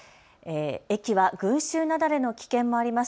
駅は群集雪崩の危険もあります。